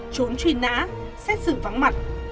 trốn truy nã xét xử vắng mặt